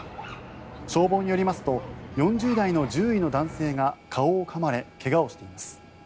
消防によりますと４０代の獣医の男性が顔をかまれ怪我をしています。